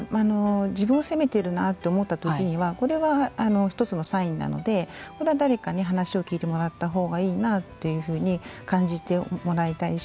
自分を責めているなと思った時にはこれは一つのサインなのでこれは誰かに話を聞いてもらったほうがいいなというふうに感じてもらいたいし